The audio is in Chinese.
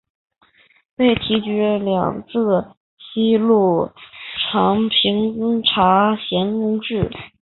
被提举两浙西路常平茶盐公事。